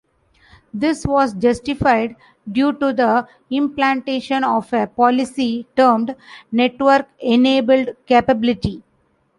This was justified due to the implementation of a policy termed Network Enabled Capability.